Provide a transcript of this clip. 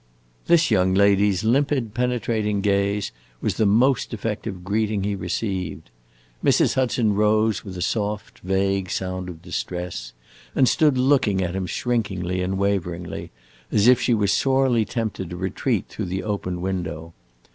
This young lady's limpid, penetrating gaze was the most effective greeting he received. Mrs. Hudson rose with a soft, vague sound of distress, and stood looking at him shrinkingly and waveringly, as if she were sorely tempted to retreat through the open window.